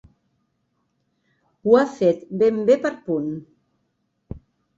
Ho ha fet ben bé per punt.